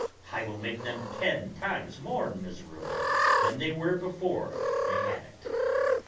I will make them ten times more miserable than they were before they had it."